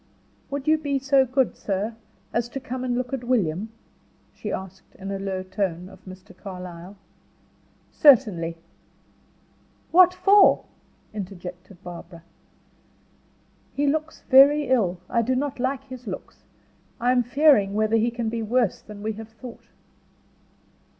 "Would you be so good sir, as to come and look at William?" she asked in a low tone, of Mr. Carlyle. "Certainly." "What for?" interjected Barbara. "He looks very ill. I do not like his looks. I am fearing whether he can be worse than we have thought."